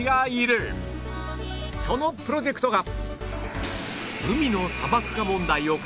そのプロジェクトが